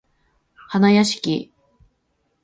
はなやしき